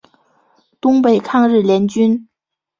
东北抗日联军。